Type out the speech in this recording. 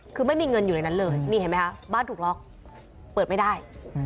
คือไม่มีเงินอยู่ในนั้นเลยนี่เห็นไหมคะบ้านถูกล็อกเปิดไม่ได้